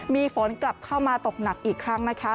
มีฝนกลับเข้ามาตกหนักอีกครั้งนะคะ